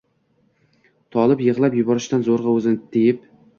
Tolib yig‘lab yuborishdan zo‘rg‘a o‘zini tiyib